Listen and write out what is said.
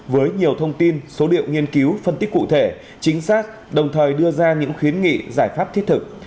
với nhiều thông tin số liệu nghiên cứu phân tích cụ thể chính xác đồng thời đưa ra những khuyến nghị giải pháp thiết thực